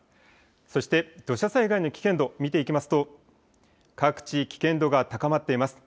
そして土砂災害の危険度、見ていきますと各地、危険度が高まっています。